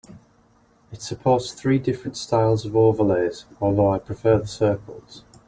It supports three different styles of overlays, although I prefer the circles.